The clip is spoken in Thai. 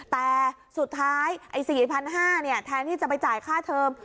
แต่สุดท้ายไอ้สี่พันห้าเนี่ยแทนที่จะไปจ่ายค่าเทิม